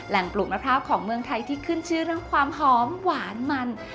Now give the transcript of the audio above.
ปลูกมะพร้าวของเมืองไทยที่ขึ้นชื่อเรื่องความหอมหวานมัน